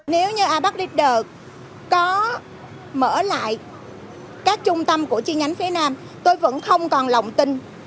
nếu như abdlibert có mở lại các trung tâm của chi nhánh phía nam tôi vẫn không còn lòng tin